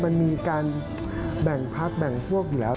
มันมีการแบ่งพักแบ่งพวกอยู่แล้ว